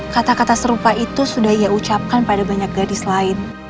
kata kata serupa itu sudah ia ucapkan pada banyak gadis lain